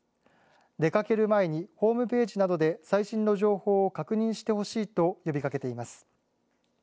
出かける前にホームページなどで最新の情報を確認してほしいと呼びかけています。